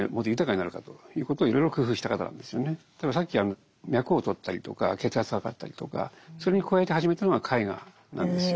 例えばさっき脈をとったりとか血圧を測ったりとかそれに加えて始めたのが絵画なんですよ。